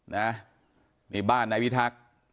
นะนี่บ้านนายพิทักษ์